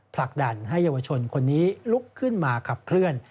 ผลักดันให้เยาวชนคนนี้ลุกขึ้นมาขับเคลื่อน